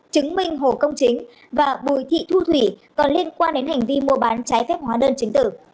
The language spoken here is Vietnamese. chứng minh hồ công chính và bùi thị thu thủy còn liên quan đến hành vi mua bán trái phép hóa đơn chứng tử